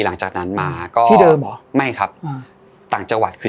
หลังจากนั้นมาก็ที่เดิมเหรอไม่ครับอ่าต่างจังหวัดคือ